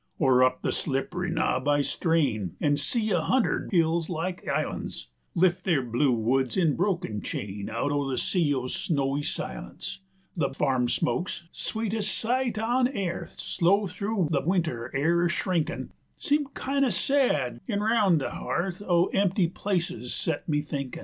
Or up the slippery knob I strain An' see a hundred hills like islan's Lift their blue woods in broken chain Out o' the sea o' snowy silence; 100 The farm smokes, sweetes' sight on airth, Slow thru the winter air a shrinkin' Seem kin' o' sad, an' roun' the hearth Of empty places set me thinkin'.